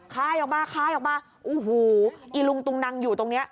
ค่ายออกมาค่ายออกมาอิลุงตุงนังอยู่ตรงนี้